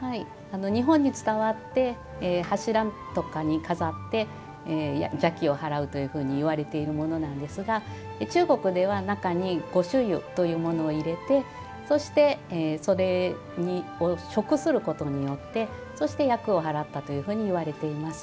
日本に伝わって柱とかに飾って邪気を払うというふうにいわれているものなんですが中国では、中に呉茱萸というものを入れてそれを食することによって厄を払ったといわれています。